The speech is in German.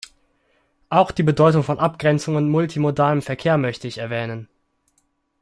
Auch die Bedeutung von Abgrenzung und multimodalem Verkehr möchte ich erwähnen.